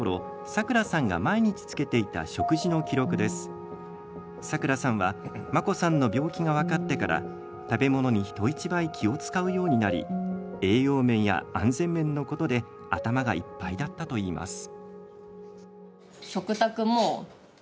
さくらさんは真心さんの病気が分かってから食べ物に人一倍、気を遣うようになり栄養面や安全面のことで頭がいっぱいだったといいます。